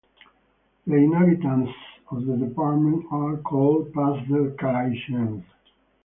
The inhabitants of the department are called "Pas-de-Calaisiens".